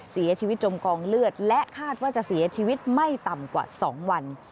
จมกองเลือดและคาดว่าจะเสียชีวิตไม่ต่ำกว่า๒วัน